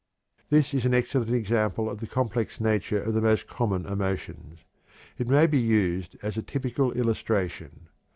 This is an excellent example of the complex nature of the most common emotions. It may be used as a typical illustration.